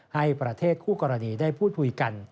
ให้ประเทศคู่กรณีได้พูดคุยกัน